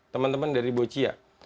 teman teman dari bochia